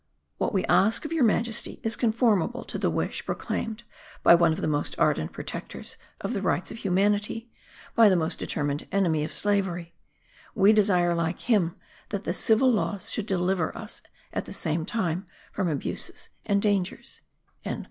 What we ask of your Majesty is conformable to the wish proclaimed by one of the most ardent protectors of the rights of humanity, by the most determined enemy of slavery; we desire, like him, that the civil laws should deliver us at the same time from abuses and dangers."